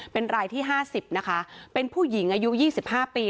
เป็นรายที่ห้าสิบนะคะเป็นผู้หญิงอายุยี่สิบห้าปี